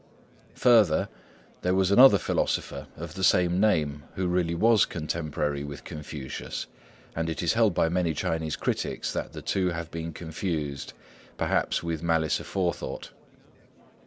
Further, there was another philosopher of the same name, who really was contemporary with Confucius, and it is held by many Chinese critics that the two have been confused, perhaps with malice aforethought.